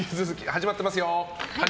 始まってますよ！